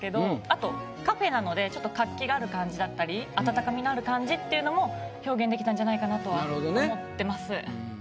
あとカフェなのでちょっと活気がある感じだったり温かみのある感じっていうのも表現できたんじゃないかなとは思ってます。